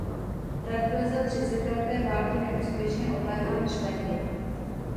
Hrad byl za třicetileté války neúspěšně obléhán Švédy.